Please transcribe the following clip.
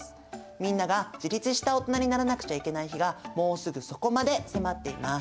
みんなが自立した大人にならなくちゃいけない日がもうすぐそこまで迫っています。